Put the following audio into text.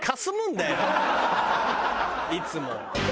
いつも。